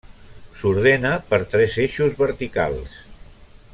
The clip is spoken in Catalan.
S'ordena per tres eixos verticals.